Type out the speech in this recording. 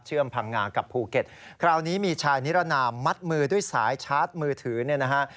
พังงากับภูเก็ตคราวนี้มีชายนิรนามมัดมือด้วยสายชาร์จมือถือเนี่ยนะฮะ